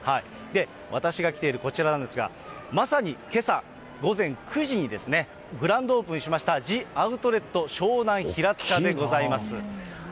私が来ているこちらなんですが、まさにけさ午前９時にですね、グランドオープンしました、ジ・アウトレット湘南平塚でございます。